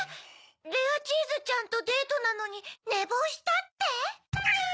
「レアチーズちゃんとデートなのにねぼうした」って⁉アン。